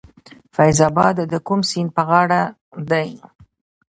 فیض اباد د کوم سیند په غاړه دی؟